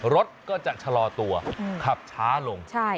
รถก็จะชะลอตัวขับช้าลง